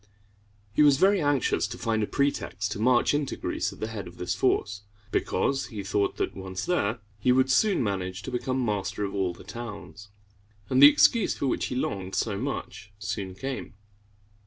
He was very anxious to find a pretext to march into Greece at the head of this force, because he thought that, once there, he would soon manage to become master of all the towns. And the excuse for which he longed so much soon came.